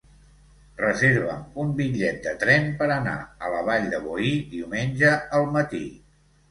Reserva'm un bitllet de tren per anar a la Vall de Boí diumenge al matí.